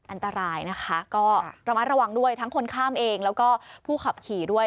อันตรายนะคะก็ระมัดระวังด้วยทั้งคนข้ามเองแล้วก็ผู้ขับขี่ด้วย